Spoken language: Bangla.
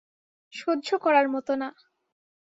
সহ্য করার মত না।